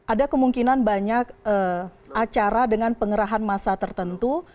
ada kemungkinan banyak acara dengan pengerahan masa tertentu